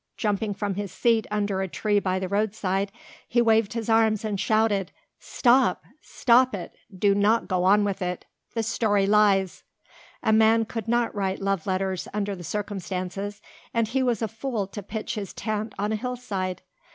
Jumping from his seat under a tree by the roadside he waved his arms and shouted: "Stop! Stop it! Do not go on with it. The story lies. A man could not write love letters under the circumstances and he was a fool to pitch his tent on a hillside.